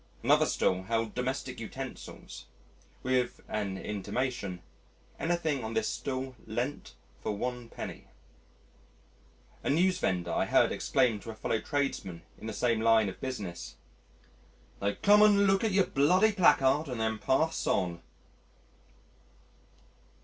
Another stall held domestic utensils with an intimation, "Anything on this stall lent for 1d." A newsvendor I heard exclaim to a fellow tradesman in the same line of business, "They come and look at your bloody plakaard and then passe on."